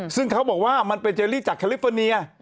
ซึ่งเขาบอกว่ามันเป็นเจลลี่จากแคลิฟเฟอร์เนีย